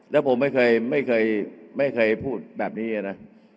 และผมไม่เคยพูดแบบนี้นะ